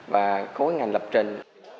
và khối ngành lập trình